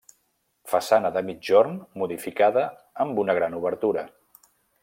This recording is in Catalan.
Façana de migjorn modificada amb una gran obertura.